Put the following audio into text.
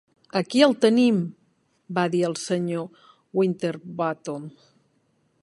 "Aquí el tenim!", va dir el senyor Winterbottom.